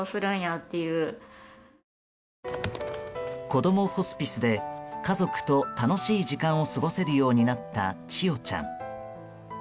こどもホスピスで家族と楽しい時間を過ごせるようになった千与ちゃん。